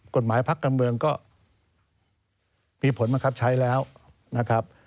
กฎหมายพักการเมืองก็มีผลบังคับใช้แล้วนะครับ